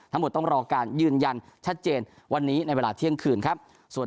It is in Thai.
ทั้งหมดต้องรอการยืนยันชัดเจนวันนี้ในเวลาเที่ยงคืนครับส่วน